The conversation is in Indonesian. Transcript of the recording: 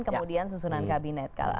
kemudian susunan kabinet